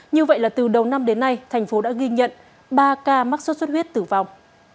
như vậy là từ đầu năm đến nay thành phố đã ghi nhận ba ca mắc sốt xuất huyết tử vong